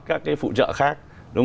các cái phụ trợ khác